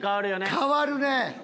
変わるね。